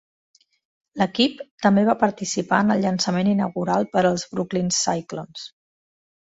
L'equip també va participar en el llançament inaugural per als Brooklyn Cyclones.